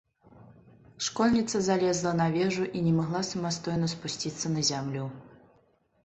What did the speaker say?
Школьніца залезла на вежу і не магла самастойна спусціцца на зямлю.